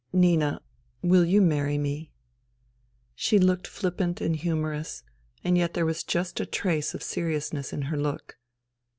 " Nina, will you marry me ?" She looked flippant and humorous and yet there was just a trace of seriousness in her look.